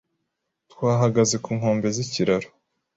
Twahagaze ku nkombe z'ikiraro